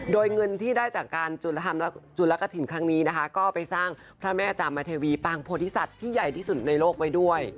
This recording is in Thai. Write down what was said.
โดยเงินที่ได้จากการจุลกฐินครั้งนี้นะคะก็ไปสร้างพระแม่จามเทวีปางโพธิสัตว์ที่ใหญ่ที่สุดในโลกไว้ด้วย